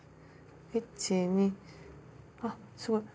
１２あっすごい。